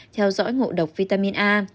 theo dõi ngộ độc vitamin a